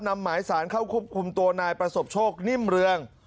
หมายสารเข้าควบคุมตัวนายประสบโชคนิ่มเรือง